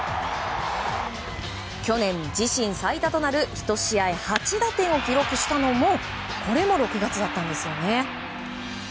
去年、自身最多となる１試合８打点を記録したのもこれも６月だったんです。